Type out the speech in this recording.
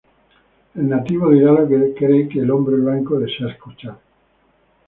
El nativo dirá lo que cree que el hombre blanco desea escuchar"".